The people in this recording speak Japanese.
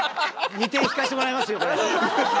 ２点引かせてもらいます。